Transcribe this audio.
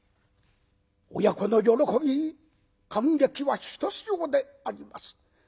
親子の喜び感激はひとしおであります。